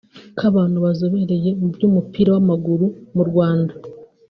k’abantu bazobereye mu by’umupira w’amaguru mu Rwanda